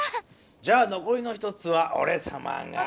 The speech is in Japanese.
じゃあのこりの１つはおれさまが。